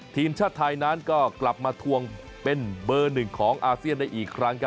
ทีมชาติไทยนั้นก็กลับมาทวงเป็นเบอร์หนึ่งของอาเซียนได้อีกครั้ง